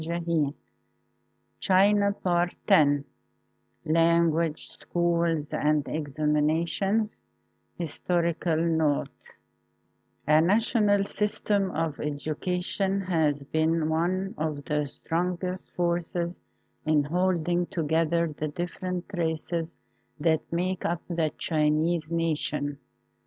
X LANGUAGE, SCHOOLS, AND EXAMINATIONS HISTORICAL NOTE A NATIONAL system of education has been one of the strong est forces in holding together the different races that make up the Chinese nation.